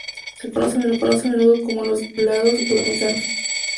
Se conocen a menudo como los ungulados sudamericanos.